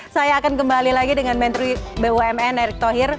saya akan kembali lagi dengan menteri bumn erick thohir